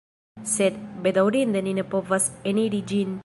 Sed, bedaŭrinde ni ne povas eniri ĝin.